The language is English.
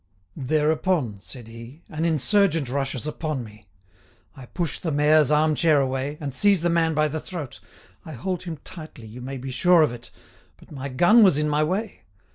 "Thereupon," said he, "an insurgent rushes upon me. I push the mayor's arm chair away, and seize the man by the throat. I hold him tightly, you may be sure of it! But my gun was in my way.